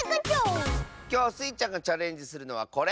きょうスイちゃんがチャレンジするのはこれ！